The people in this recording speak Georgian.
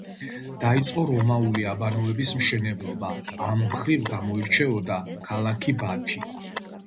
დაიწყო რომაული აბანოების მშენებლობა, ამ მხრივ გამოირჩეოდა ქალაქი ბათი.